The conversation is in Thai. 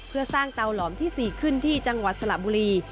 เพื่อสร้างเตาหลอมที่๔ขึ้นที่จังหวัดสระบุรี